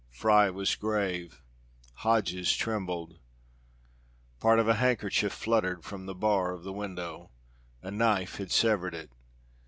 Fry was grave; Hodges trembled. Part of a handkerchief fluttered from the bar of the window. A knife had severed it.